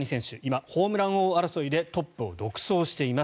今、ホームラン王争いでトップを独走しています。